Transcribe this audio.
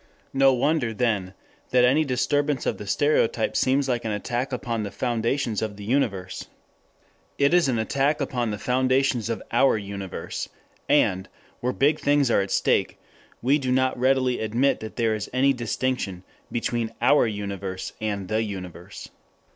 No wonder, then, that any disturbance of the stereotypes seems like an attack upon the foundations of the universe. It is an attack upon the foundations of our universe, and, where big things are at stake, we do not readily admit that there is any distinction between our universe and the universe.